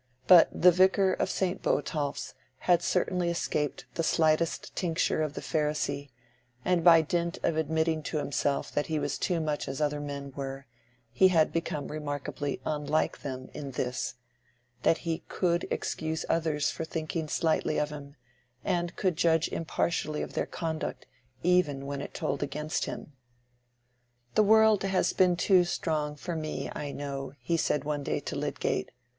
But the Vicar of St. Botolph's had certainly escaped the slightest tincture of the Pharisee, and by dint of admitting to himself that he was too much as other men were, he had become remarkably unlike them in this—that he could excuse others for thinking slightly of him, and could judge impartially of their conduct even when it told against him. "The world has been too strong for me, I know," he said one day to Lydgate.